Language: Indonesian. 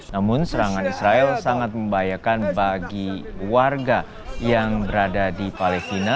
namun serangan israel sangat membahayakan bagi warga yang berada di palestina